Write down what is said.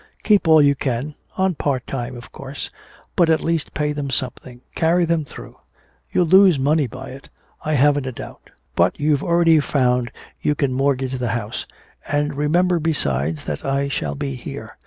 Keep all you can on part time, of course but at least pay them something, carry them through. You'll lose money by it, I haven't a doubt. But you've already found you can mortgage the house, and remember besides that I shall be here.